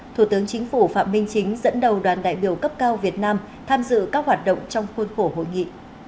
thủ tướng chính phủ phạm minh chính dẫn đầu đoàn đại biểu cấp cao việt nam tham dự các hoạt động trong khuôn khổ hội nghị